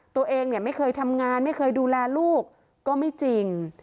ตัวเองเนี่ยไม่เคยทำงานไม่เคยดูแลลูกก็ไม่จริง